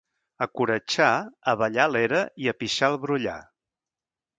A Coratxà, a ballar a l'era i a pixar al brollar.